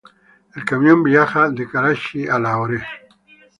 El camión viajaba de Karachi a Lahore.